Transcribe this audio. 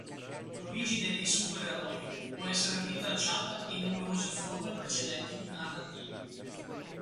L'origine dei supereroi può essere rintracciata in numerose forme precedenti di narrativa.